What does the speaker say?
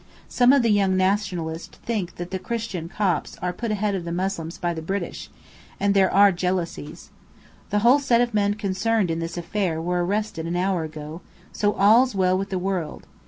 Some of the young Nationalists think that the Christian Copts are put ahead of Moslems by the British, and there are jealousies. The whole set of men concerned in this affair were arrested an hour ago, so all's well with the world!